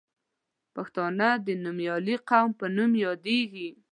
پښتانه د نومیالي قوم په نوم یادیږي.